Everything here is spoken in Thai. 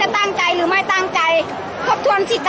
อาหรับเชี่ยวจามันไม่มีควรหยุด